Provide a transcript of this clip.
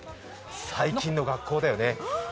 最近の学校だよね。